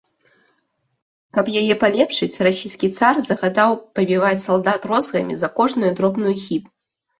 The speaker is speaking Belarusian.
Каб яе палепшыць, расійскі цар загадаў пабіваць салдат розгамі за кожную дробную хібу.